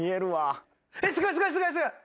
すごいすごいすごいすごい。